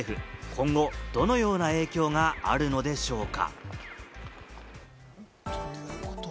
今後どのような影響があるのでしょうか？